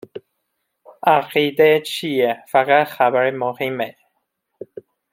عقیده چیه؟ فقط خبر مهمه